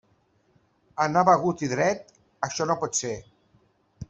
Anar begut i dret, això no pot ser.